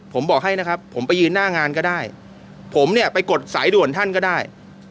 ผมบอกให้นะครับผมไปยืนหน้างานก็ได้ผมเนี่ยไปกดสายด่วนท่านก็ได้